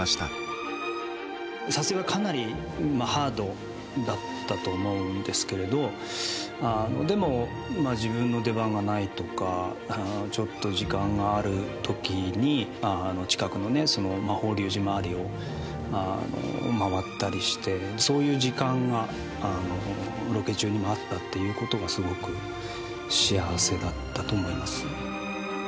撮影はかなりハードだったと思うんですけれどでも自分の出番がないとかちょっと時間がある時に近くの法隆寺周りを回ったりしてそういう時間がロケ中にもあったっていうことがすごく幸せだったと思います。